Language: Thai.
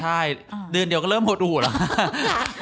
ใช่เดือนเดียวก็เริ่มหดหูแล้ว